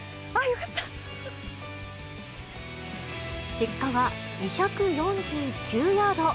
結果は２４９ヤード。